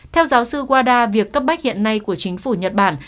theo giáo sư quada việc cấp bách hiện nay của chính phủ nhật bản